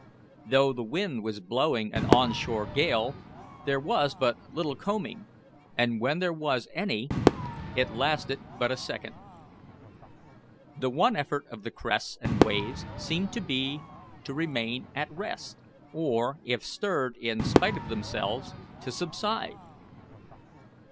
Though the wind was blowing an on shore gale, there was but little combing, and when there was any it lasted but a second. The one effort of the crests and waves seemed to be to remain at rest, or, if stirred in spite of themselves, to subside.